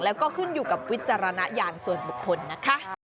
แล้วก็ขึ้นอยู่กับวิจารณญาณส่วนบุคคลนะคะ